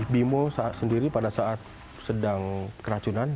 bimo sendiri pada saat sedang keracunan